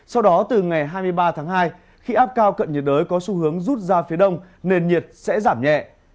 sau đó từ ngày hai mươi ba tháng hai khi áp cao cận nhiệt đới có xu hướng rút ra phía đông nền nhiệt sẽ giảm nhẹ